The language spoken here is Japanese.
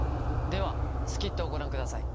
ではスキットをご覧ください。